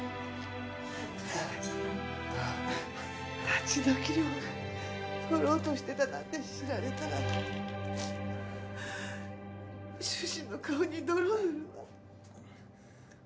立ち退き料を取ろうとしてたなんて知られたら主人の顔に泥を塗るわ。